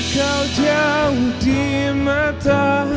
kamu jauh di mata